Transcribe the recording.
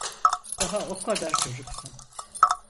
Daha o kadar çocuksun.